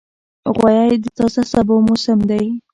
غویی د تازه سابو موسم دی.